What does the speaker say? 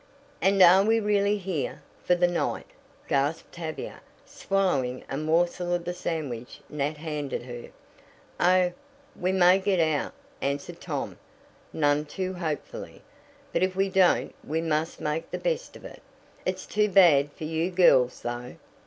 "And are we really here for the night?" gasped Tavia, swallowing a morsel of the sandwich Nat handed her. "Oh, we may get out," answered Tom, none too hopefully. "But if we don't we must make the best of it. It's too bad for you girls, though."